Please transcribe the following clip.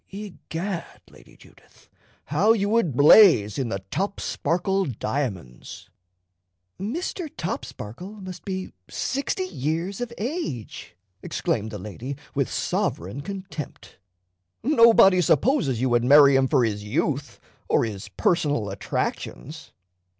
Egad, Lady Judith, how you would blaze in the Topsparkle diamonds!" "Mr. Topsparkle must be sixty years of age!" exclaimed, the lady, with sovereign contempt. "Nobody supposes you would marry him for his youth or his personal attractions.